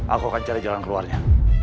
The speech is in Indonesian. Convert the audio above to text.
aku akan cari jalan keluarnya